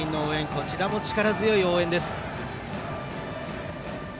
こちらも力強い応援です。